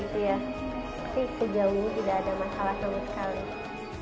tapi sejauh ini tidak ada masalah sama sekali